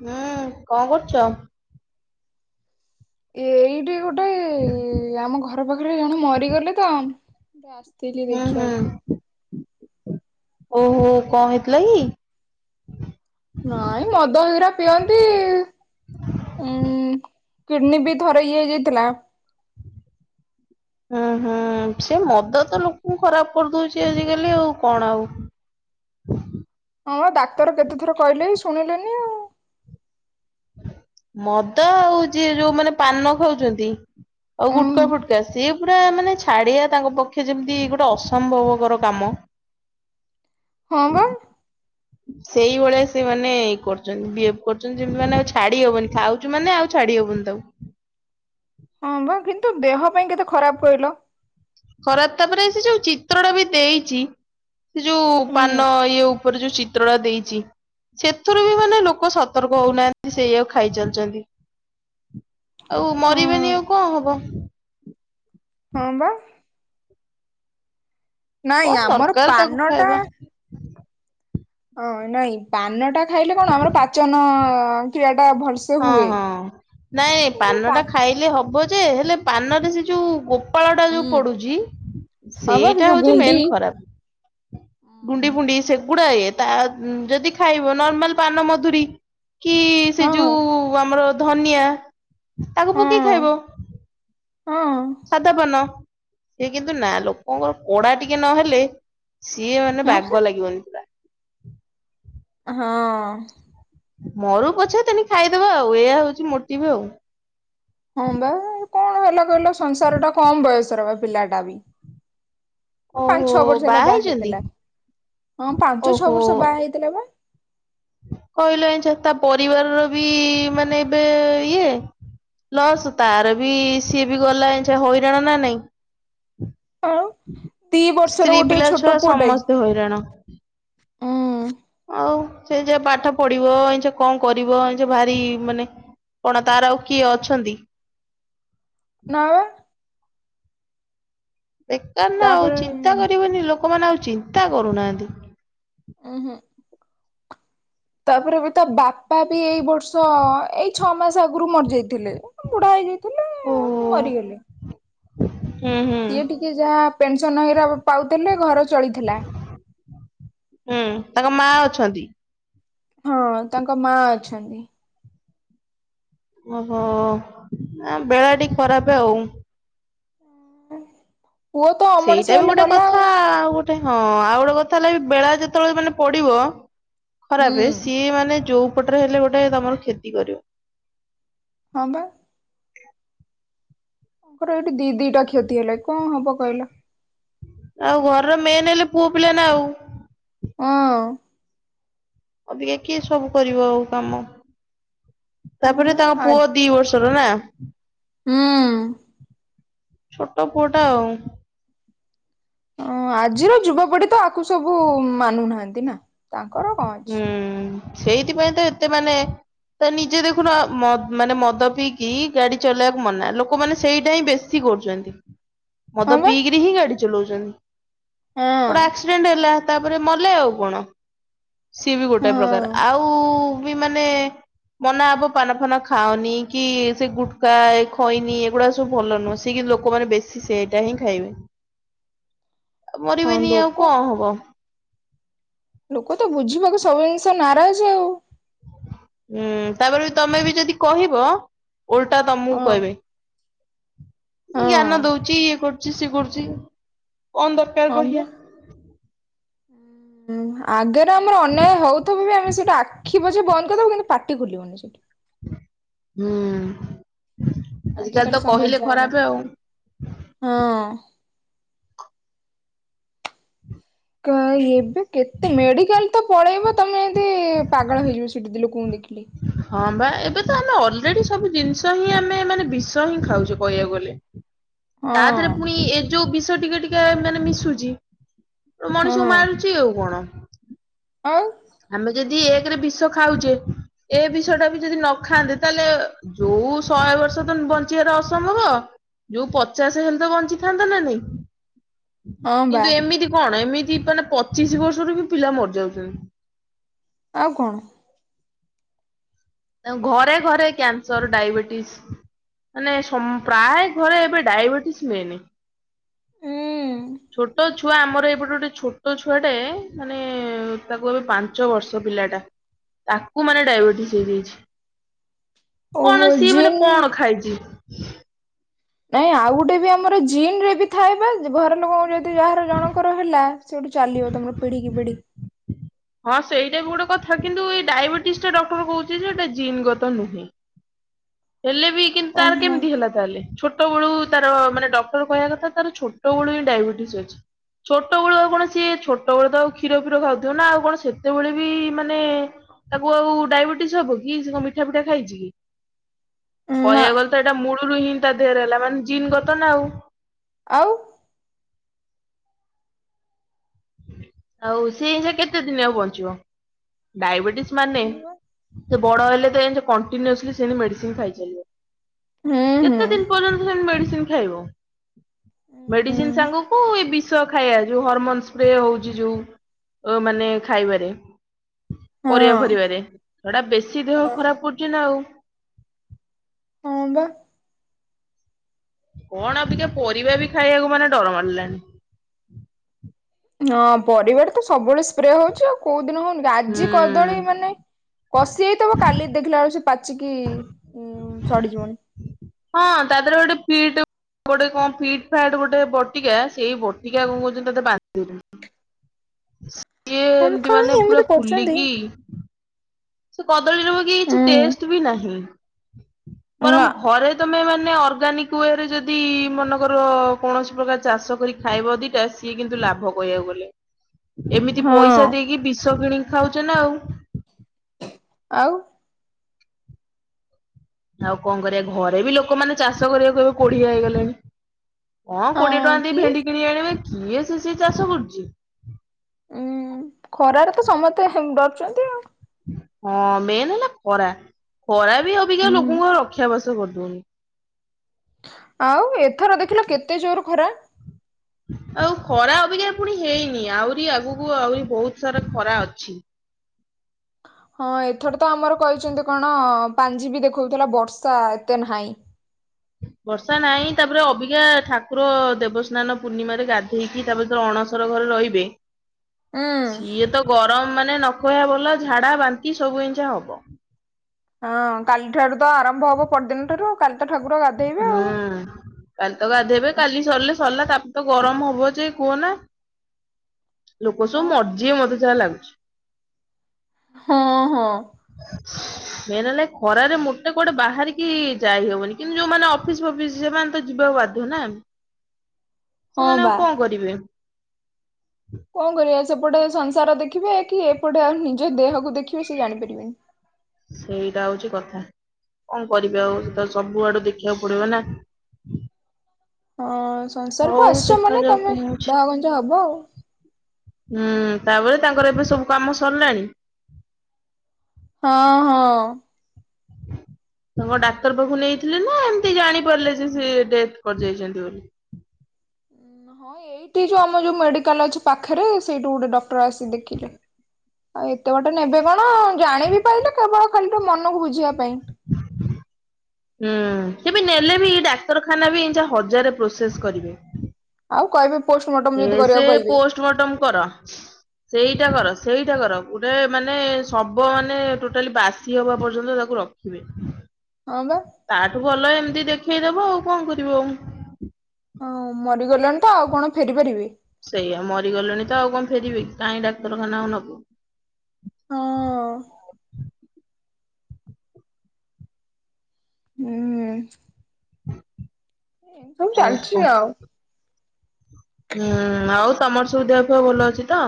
ହୁଁ କଣ କରୁଛ? ଏଇଠି ଗୋଟେ ଆମ ଘର ପାଖରେ ଜଣେ ମରିଗଲେ ତ ତ ଆସିଥିଲି। ହୁଁ ଦେଖିବାକୁ ହୁଁ ଓହୋ କ ହେଇଥିଲା କି? ନାଇଁ ମଦ ହୀରା ପିଅନ୍ତି ଉଁ କିଡନୀ ବି ଥରେ ଇଏ ହେଇଯାଇଥିଲା। ହୁଁ ହୁଁ ସେ ମଦ ତ ଲୋକଙ୍କୁ ଖରାପ କରିଦଉଛି ଆଜିକାଲି ଆଉ କଣ ଆଉ? ହଁ ଡାକ୍ତର କେତେ ଥର କହିଲେଇ ଶୁଣିଲେନି ଆଉ। ମଦ ଆଉ ଯିଏ ଯୋଉମାନେ ପାନ ଖାଉଛନ୍ତି। ଆଉ ଉଁ ଗୁଟକା ଫୁଟକା ସିଏ ପୁରା ମାନେ ଛା ଛାଡ଼ିଆ ତାଙ୍କ ପକ୍ଷେ ଯେମିତି ଗୋଟେ ଅସମ୍ଭବକର କାମ। ହଁ ବା। ସେଇଭଳିଆ ସେମାନେେ ଇ କରୁଛନ୍ତି ବିହେଭ କରୁଛନ୍ତି ଯେମିତି ମାନେ ଆଉ ଛାଡି ହବନି ଖାଉ ଚୁମାନେ ଆଉ ଛାଡି ହବନି ତାକୁ। ହଁ ପା କିନ୍ତୁ ଦେହ ପାଇଁ କେତେ ଖରାପ କହିଲ? ଖରାପ ତାପରେ ସେ ଯୋଉ ଚିତ୍ର ଟା ବି ଦେଇଚି ସେ ଯୋଉ ଉଁ ପାନ ଇଏ ଉପରେ ଯୋଉ ଚିତ୍ର ଟା ଦେଇଚି। ସେଥିରୁ ବି ମାନେ ଲୋକ ସତର୍କ ହଉନାହାନ୍ତି ସେଇଆଉ ଖାଇ ଚାଲିଛନ୍ତି। ଆଉ ମରିବେନି ହଁ ଆଉ କଣ ହବ? ହଁ ବା। ନାଇଁ କଣ ଆମର ଦରକାର ତାକୁ ପାନ ଟା ଖାଇବା ହଁ ନାଇଁ ପାନ ଟା ଖାଇଲେ କଣ ଆମର ପାଚନ କ୍ରିୟା ଟା ଭଲସେ ହଁ ହୁଏ ହଁ ନାଇଁ ଏ ଯୋଉ ପାନ ପା ଟା ଖାଇଲେ ହବ ଯେ ହେଲେ ପାନରେ ସେ ଯଉ ଗୁ ପାଳ ଟା ଯୋଉ ଉଁ ପଡୁଛି ହଁ ବା ସେ ସେଇଟା ଯୋଉ ହଉଛି ଗୁଣ୍ଡି ମେନ୍ ଖରାପ। ହଁ ଗୁଣ୍ଡି ଫୁଣ୍ଡି ସେଗୁଡା ଇଏ ତା ଯଦି ଖାଇବ ନର୍ମାଲ ପାନ ମଧୁରୀ କି ସେ ହଁ ଯୋଉ ଆମର ଧନିଆ ତାକୁ ପକେଇ ହଁ ଖାଇବ। ହଁ ତା ତା ପାନ ସେ କିନ୍ତୁ ନା ଲୋକଙ୍କ କୋଡା ଟିକେ ନହେଲେ ସିଏ ମାନେ ହଁ ପା ବାଗ ଲାଗିବନି। ପୁରା। ହଁ। ମରୁ ପଛେ ତେନି ଖାଇଦବା ଆଉ ଏଇ ହଉଛି ମୋଟିଭି ଆଉ। ହଁ ବା କଣ ହେଲା କହିଲ ସଂସାର ଟା କମ ବୟସ ର ବା ପିଲାବି। ପାଞ୍ଚ ଓହୋ ଛଅ ବର୍ଷ ହେଲା ବାହା ହେଇଛନ୍ତି? ହେଇଥିଲା ହଁ ପାଞ୍ଚ ଛଅ ଓହୋ ବର୍ଷ ବାହା ହେଇଥିଲା ବା। କହିଲ ଏଛ ତା ପରିବାରର ବି ମାନେ ଏବେ ଇଏ। ଲସ୍ ତାର ବି ସିଏ ବି ଗଲା ଏଯେ ହଇରାଣ ନା ନାଇଁ। ଆଉ ଦି ବର୍ଷର ସ୍ତ୍ରୀ ଗୋଟେ ପିଲା ଛୋଟ ଛୁଆ ପୁଅଟାଇ ସମସ୍ତେ ହଇରାଣ। ଉଁ ଆଉ। ସେ ଯେ ପାଠ ପଢିବ ଏଇଛ କଣ କରିବ ଏଇଛ ଭାରି ମାନେ କଣ ତାର ଆଉ କିଏ ଅଛନ୍ତି? [unintelligible] ବେକାର ନା ଆଉ ତାପରେ ଚିନ୍ତା କରିବେନି ଲୋକମାନେ ଆଉ ଚିନ୍ତା କରୁନାହାନ୍ତି। ହୁଁ ହୁଁ। ତାପରେ ବି ତା ବାପା ବି ଏଇ ବର୍ଷ ଏଇ ଛଅ ମାସ ଆଗରୁ ମରିଯାଇଥିଲେ। ବୁଢା ହେଇଯାଇଥିଲେ ଓହୋ ମରିଗଲେ। ହୁଁ ହୁଁ ସିଏ ଟିକେ ଯାହା ପେନସନ ହେରା ପାଉଥିଲେ ଘର ଚଳୁଥିଲା। ହୁଁ ତାଙ୍କ ମା ଅଛନ୍ତି? ହଁ ତାଙ୍କ ମାଆ ଅଛନ୍ତି। ଓହୋ ନା ବେଳା ଟି ଖରାପ ଆଉ। ପୁଅ ତ ଅମଣିଷ ସେଇଟା ବି ହେଲେ ଗୋଟେ ଗଲା କଥା ଆଉ ଗୋଟେ ହଁ ଆଉ ଗୋଟେ କଥା ହେଲା ବି ବେଳା ଯେତେବେଳେ ମାନେ ପଡିବ ହୁଁ ଖରାପ ସିଏ ମାନେ ଯୋଉ ପଟରେ ହେଲେ ଗୋଟେ ତମର କ୍ଷତି କରିବ। ହଁ ବା। ତାଙ୍କର ଏଇଠି ଦି ଦିଟା କ୍ଷତି ହେଲା କଣ ହବ କହିଲ। ଆଉ ଘରର ମେନ୍ ହେଲେ ପୁଅ ପିଲା ନା ଆଉ। ହଁ। ଅବିକା କିଏ ସବୁ କରିବ ଆଉ କାମ? ହଁ ତାପରେ ବା ତାଙ୍କ ଆ ପୁଅ ଦି ବର୍ଷର ନା? ହୁଁ। ଛୋଟ ପୁଅଟା ଆଉ। ହ ଆଜିର ଯୁବପିଢି ତ ଆକୁ ସବୁ ମାନୁନାହାନ୍ତି ନା। ତାଙ୍କର କଣ ଅଛି। ହୁଁ ସେଇଥିପାଇଁ ତ ଏତେ ମାନେ ତା ନିଜେ ଦେଖୁନ ମାନେ ମଦ ପିଇକି ଗାଡି ଚଲେଇବାକୁ ମନା ଲୋକମାନେ ସେଇଟା ହିଁ ବେଶୀ କରୁଛନ୍ତି ହଁ ମଦ ବା ପିଇକିରି ହିଁ ଗାଡି ଚଲାଉଛନ୍ତି, ଗୋଟେ ଆସି ହଁ ଆକ୍ସିଡେଣ୍ଟ ହେଲା ତାପରେ ମଲେ ଆଉ କଣ। ସିଏ ବି ଗୋଟେ ହଁ ପ୍ରକାର ଆଉ ବି ମାନେ ମନା ହେବ ପାନଫାନ ଖାଅନି କି ସେ ଗୁଟକା ଖଇନି ଏଗୁଡା ସବୁ ଭଲ ନୁହଁ ସେ କିନ୍ତୁ ଲୋକମାନେ ବେଶୀ ସେଇଟା ହିଁ ଖାଇବେ। ଆଉ ହଁ ମରିବେନି ଆଉ ଲୋକ କଣ ହବ? ଲୋକ ତ ବୁଝିବାକୁ ସବୁ ଜିନିଷ ନାରାଜ ଆଉ। ହୁଁ ତାପରେ ବି ତମେ ବି ଯଦି କହିବ ଓଲଟା ତମକୁ କହିବେ, ହଁ ଜ୍ଞାନ ଦଉଛି ଇଏ କରୁ ଛି ସିଏ କରୁଛି ଆଉ। ହଁମ ଆଗ ଆମର ଅନ୍ୟାୟ ହଉଥିବ ବି ଆମେ ସେଇଟା ଆଖି ବୁଜି ବନ୍ଦ କରିଦବୁ କିନ୍ତୁ ପାଟି ଖୋଲିବନି ସେଇଠି। ହୁଁ ଆଜିକାଲି ତ ସମାଜ କହିଲେ ଯାହା ହେଲାଣି ଖରାପ ଆଉ। ହଁ। କାଇଁ ଏବେ କେତେ ମେଡିକାଲ ତ ପଳେଇବ ତମେ କେତେ ପାଗଳ ହେଇଯିବ ସେଠି ଯଦି ଲୋକଙ୍କୁ ଦେଖିଲେ। ହଁ ବା ଏବେ ତ ଆମେ ଅଲରେଡି ସବୁ ଜିନିଷ ହିଁ ଆମେ ମାନେ ବିଷ ହିଁ ଖାଉଛେ କହିବାକୁ ଗଲେ। ତା ଦେହରେ ହଁ ପୁଣି ଏ ଯୋଉ ବିଷ ଟିକେ ଟିକେ ମାନେ ମିଶୁଚି ଗୋଟେ ମଣିଷକୁ ହଁ ମାରୁଚି ଆଉ କଣ। ଆଉ। ଆମେ ଯଦି ଏକରେ ବିଷ ଖାଉଛେ ଏ ବିଷ ଟା ବି ଯଦି ନ ଖାଆନ୍ତେ ତାହେଲେ। ଯୋଉ ଶହେ ବର୍ଷ ତ ବଞ୍ଚିବାଟା ଅସମ୍ଭବ। ଯୋଉ ପଚାଶ ହେଲେ ତ ବଞ୍ଚିଥାନ୍ତ ନା ନାଇଁ। ହଁ ବା କିନ୍ତୁ ଏମିତି କଣ ଏମିତି ମାନେ ପଚିଶି ବର୍ଷରୁ ବି ପିଲା ମରିଯାଉଛନ୍ତି। ଆଉ କଣ। ଆଉ ଘରେ ଘରେ କ୍ୟାନ୍ସର ଡାଇବେଟିସ୍। ମାନେ ସ ପ୍ରାୟ ଘରେ ଏବେ ଡାଇବେଟିସ୍ ମେନେ। ଉଁ ଛୋଟ ଛୁଆ ଆମର ଏଇପଟେ ଗୋଟେ ଛୋଟ ଛୁଆଟା ମାନେ ତାକୁ ଏବେ ପାଞ୍ଚ ବର୍ଷ ପିଲାଟା। ତାକୁ ମାନେ ଡାଇବେଟିସ ହେଇଯାଇଛି ଓହୋ କଣ ସିଏ ମାନେ ଜିନ୍ କଣ ଖାଇଛି। ନାଇଁ ଆଉ ଗୋଟେ ବି ଆମର ଜିିନ ରେ ବି ଥଏ ବା ଘର ଲୋକଙ୍କ ଯଦି ଯାହାର ଜଣଙ୍କର ହେଲା। ସେଇଠୁ ଚାଲିବ ତାଙ୍କର ପିଢି କୁ ପିଢି। ହଁ ସେଇଟା ବି ଗୋଟେ କଥା କିନ୍ତୁ ଏଇ ଡାଇବେଟିସ୍ ଟା ଡକ୍ଟର କହୁଛି ଯେ ଏଇଟା ଜିନ୍ ଗତ ନୁହେଁ। ହେଲେ ବି କିନ୍ତୁ ତାର ଓହୋ। କେମିତି ହେଲା ତାହାଲେ। ଛୋଟ ବେଳୁ ତାର ମାନେ ଡକ୍ଟର କହିବା କଥା ତାର ଛୋଟ ବେଳୁ ହିଁ ଡାଇବେଟିସ୍ ଅଛି। ଛୋଟ ବେଳୁ ଆଉ କଣ ସିଏ ଛୋଟବେଳୁ ତ ଆଉ କ୍ଷୀରଫିର ଖାଉଥିବ ନା ଆଉ। କଣ ସେତେବେଳେ ବି ମାନେ ତାକୁ ଆଉ ଡାଇବେଟିସ ହବ କି ସେ କଣ ମିଠା ଫିଠା ଖାଇଛି କି? ନା କହିବାକୁ ଗଲେ ତ ଏଇଟା ମୂଳରୁ ହିଁ ତା ଦେହରେ ହେଲା ମାନେ ଜିନ୍ ଗତ ନା ଆଉ। ଆଉ। ଆଉ ସିଏ ସେ କେତେ ଦିନ ଆଉ ବଞ୍ଚିବ ଡାଇବେଟିସ ମାନେ। ସେ ବଡ ହେଲେ ତ ଏମିତି କଣ୍ଟିନ୍ୟୁସଲି ସେ ମେଡିସିନ ହୁଁ ଖାଇଚାଲିବ ହୁଁ କେତେ ଦିନ ସେପଯ୍ୟନ୍ତ ସେ ମେଡିସିନ ଖାଇବ। ମେଡିସିନ ସାଙ୍ଗକୁ ଏ ବିଷ ଖାଇବା ଯୋଉ ହରମୋନ୍। ସ୍ପ୍ରେ ହଉଛି ଯୋଉ ମାନେ ଖାଇବାରେ। ହଁ ପରିବାଫରିବାରେ ସେଟା ବେଶୀ ଦେହ ହଁ ଖରାପ କରୁଛି ନା ଆଉ। ହଁ ବା। କଣ ଆବିକା ପରିବା ବି ଖାଇବାକୁ ମାନେ ଡର ମାଡ଼ିଲାଣି। ହଁ ପରିବାରେ ତ ସବୁବେଳେ ସ୍ପ୍ରେ ହଉଛି ଆଉ କୋଉ ଦିନ ହଉନି। ଆଜି ହୁଁ କଦଳୀ ମାନେ କସିହେଇଥିବ କାଲି ଦେଖିଲା ବେଳୁ ସେ ପାଚିକି ସଢିଯିବଣି। ହଁ ତା ଦେହରେ ଗୋଟେ ପିଠ ଗୋଟେ କଣ ଫିଟ୍ ଫାଟ ଗୋଟେ ବଟିକା ସେଇ ବଟିକା କଣ କହୁଛନ୍ତି ତା ଦେହରେ ବାନ୍ଦୀଦଉଛନ୍ତି। ସିଏ ଆମେ ଏମତି କାଇଁ ମାନେ ପୁରା ଏମିତି କରୁଛନ୍ତି ଫୁଲିକି। ସେ କଦଳୀର ବି କିଛି ହୁଁ ଟେଷ୍ଟ ବି ନାହିଁ। ବରଂ ନା ଘରେ ତମେ ମାନେ ଅର୍ଗାନିକ। କୁଅରେ ଯଦି ମନେକର କୌଣସି ପ୍ରକାର ଚାଷ କରି ଖାଇବ ଦିଟା ସିଏ କିନ୍ତୁ ଲାଭ କହିବାକୁ ଗଲେ। ଏମିତି ହଁ ପଇସା ଦେଇକି ବିଷ କିଣିକି ଖାଉଚେ ନା ଆଉ। ଆଉ। ଆଉ କଣ କରିବା ଘରେ ବି ଲୋକମାନେ ଚାଷ କରିବାକୁ ଏବେ କୋଢିଆ ହେଇଗଲେଣି। ହଁ କୋଡିଏ ଟଙ୍କା ଦେଇ ଭେଣ୍ଡି କିଣ ଆଣିବେ କିଏ ସେ ସେଇ ଚାଷ କରୁଛି। ଉଁ ଖରାରେ ତ ସମସ୍ତେ ଡରୁଛନ୍ତି ଆଉ। ହଁ ମେନ୍ ହେଲା ଖରା ଖରା ବି ଅବିକା ହୁଁ ଲୋକଙ୍କୁ ରକ୍ଷା ବାସ କରିଦଉନି। ଆଉ ଏଥର ଦେଖିଲ କେତେ ଜୋର ଖରା। ଆଉ ଖରା ଅବିକା ପୁଣି ହେଇନି ଆହୁରି ଆଗକୁ ଆହୁରି ବହୁତ ସାରା ଖରା ଅଛି। ହଁ ଏଥର ତ ଆମର କହିଛନ୍ତି କଣ ପାଞ୍ଜି ବି ଦେଖୋଉଥିଲା ବର୍ଷା ଏତେ ନାହିଁ। ବର୍ଷା ନାହିଁ ତାପରେ ଅବିକା ଠାକୁର ଦେବସ୍ନାନ ପୂର୍ଣ୍ଣିମାରେ ଗାଧେଇକି କି ତା ଭିତରେ ଅଣସର ଘରେ ରହିବେ। ହୁଁ ସିଏ ତ ଗରମ ମାନେ ନ ଖହିବା ଭଲ ଝାଡା ବାନ୍ତି ସବୁ ଜିନିଷ ହବ। ହଁ କାଲି ଠାରୁ ତ ଆରମ୍ଭ ହବ। ପରଦିନଠାରୁ କାଲିତ ଠାକୁର ଗାଧ ହୁଁ କାଲି ତ ଗାଧେଇବେ କାଲି ସରିଲେ ସରିଲା ତାପରେ ତ ଗରମ ହବ ଯେ କୁହ ନା ଲୋକ ସବୁ ଆଉ ମର୍ଜିବେ ମତେ ଯାହା ଲାଗୁଚି ହୁଁ ହୁଁ [inaudible] ମେନ୍ ହେଲା ଏ ଖରାରେ ମୋଟେ କୁଆଡେ ବାହାରିକି ଯାଇ ହବନି କିନ୍ତୁ ଯୋଉମାନେ ଅଫିସ୍ ଫଫିସ୍ ଜିବ୍ ସେମାନେ ତ ଯିବାକୁ ବାଧ ନା ହଁ ସେମାନେ ଆଉ ବା। କଣ କରିବେ। କଣ କରିବା ସେପଟେ ସଂସାର ଦେଖିବେ କି ଏପଟେ ଆଉ ନିଜ ଦେହକୁ ଦେଖିବେ ସେ ଜାଣିପାରିବେନ ସେଇଟା ହଉଛି କଥା। କଣ କରିବେ ଆଉ ସେ ତ ସବୁ ଆଡୁ ଦେଖିବାକୁ ପଡିବ ନା। ହଁ ହଉ ସଂସାରକୁ ଆସିଛ ମାନେ ଦେଖାଯାଉ ତମେ କଣ ହଉଛି। ଦହ ଗଞ ହବ ଆଉ। ହୁଁ ତାପରେ ତାଙ୍କର ଏବେ ସବୁ କାମ ସରିଲାଣି? ହଁ ହଁ ତାଙ୍କୁ କଣ ଡାକ୍ତର ପାଖକୁ ନେଇଥିଲେ ନା। ଏମିତି ଜାଣିପାରିଲେ ଯେ ସେ ଡେଥ କରିାଇଛନ୍ତି ବୋଲି। ହଁ ଏଇଠି ଯୋଉ ଆମ ଯୋଉ ମେଡିକାଲ ଅଛି ପାଖରେ ସେଇଠୁ ଗୋଟେ ଡକ୍ଟର ଆସି ଦେଖିଲେ। ଆଉ ଏତେ ବାଟ ନେବେ କଣ ଜାଣିବି ପାଇଲେ କେବଳ ଖାଲି ଟିକେ ମନକୁ ବୁଝିବା ପାଇଁ। ହୁଁ ହୁଁ ସେ ବି ନେଲେ ବି ଡାକ୍ତରଖାନା ବି ଯେ ହଜାରେ ପ୍ରୋସେସ୍ କରିବେ। ଆଉ କହିବେ ପୋଷ୍ଟମର୍ଟମ ଯଦି କରିବାକୁ କହିବେ। ଷ୍ଟମର୍ଟମ୍ କର। ସେଇଟା କର ସେଇଟା କର ଗୁଡେ ମାନେ ଶବ ମାନେ ଟୋଟାଲି ବାସି ହବା ପର୍ଯ୍ୟନ୍ତ ତାକୁ ରଖୁ ହୁଏ ହଁ ବା ତାଠୁ ଭଲ ଏମିତି ଦେଖେଇଦବୁ ଆଉ କଣ କରିବୁ ଆଉ। ହଁ ମରିଗଲେଣି ତ ଆଉ କଣ ଫେରି ପାରିବେ। ସେଇଆ ମରିଗଲେଣି ତ ଆଉ କଣ ଫେରିବେକି କାହିଁ ଡାକ୍ତରଖାନାକୁ ନବୁ। ହଁ ହୁଁ ସବୁ ଆଉ ଚାଲିଛି କଣ ଆଉ। ହୁଁ ଆଉ ତମର ସବୁ ଦେହଫେହ ଭଲ ଅଛି ତ?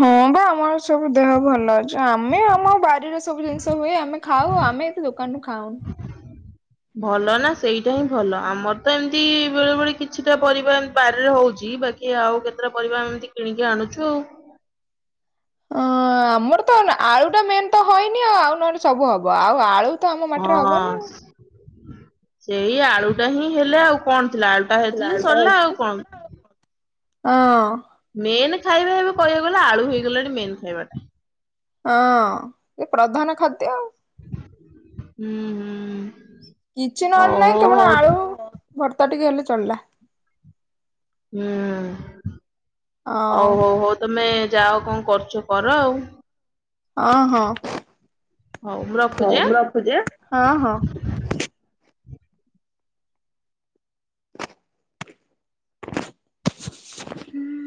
ହୁଁ ବା ଆମର ସବୁ ଦେହ ଭଲ ଅଛି। ଆମେ ଆମ ବାରିର ସବୁ ଜିନିଷ ହୁଏ ଆମେ ଖାଉ ଆମେ ଏତେ ଦୋକାନୁ ରୁ ଖାଉନା। ହ ଭଲ ନା ସେଇଟା ହିଁ ଭଲ। ଆମର ତ ଏମିତି ବେଳେ ବେଳେ କିଛିଟା ପରିବା ଏମ୍ ବାରିରେ ହୋଉଛି ବାକି କି ଆଉ କେତୁଟା ପରିବା ଏମିତି କିଣିକି ଆଣୁଛୁ ଆଉ। ଅ ଆମର ତ ଆଳୁ ଟା ମେନ୍ ତ ହଏନି ଆଉ ନହେଲେ ସବୁ ହବ ଆଉ ଆଳୁ ତ ଆମ ମାଟିରେ ହବନି ଆଉ ସେଇ ଆଳୁଟା ହିଁ ହେଲେ ଆଉ କଣ ଥିଲା ଆଳୁଟା ହେଇଥିଲେ ଲାଲଟା ସରିଲା ଆଉ ହେଇଥିଲେ ସ କଣ। ହଁ ମେନ୍ ଖାଇବା ଏବେ କହିବାକୁ ଗଲେ ଆଳୁ ହେଇଗଲାଣି ମେନ୍ ଖାଇବା ଟା। ହଁ ଏଇ ପ୍ରଧାନ ଖାଦ୍ୟ ଆଉ। ହୁଁ ହୁଁ। କିଛି ନହେଲେ ନାହିଁ ହଉ ହଉ କେବଳ ଆଳୁ ହଉ ଭର୍ତ୍ତା ଟିକେ ହେଲେ ଚଲିଲା। ହୁଁ ହୋଉ ହୋଉ ହଁ ହୋଉ ତମେ ଯାଅ କଣ କରୁଛ କର ଆଉ। ହଁ ହଁ ହଉ ମୁଁ ରଖୁଛି ହୋଉ ଆଁ। ରଖୁଛି। ଆଁ ହଁ ହଁ ହୁଁ